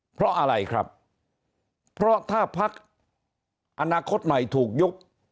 เพราะอะไรครับเพราะถ้าพักอนาคตใหม่ถูกยุบ